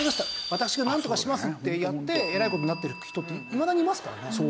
私がなんとかします」ってやってえらい事になってる人っていまだにいますからね。